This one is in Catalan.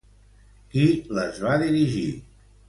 Qui les va dirigir?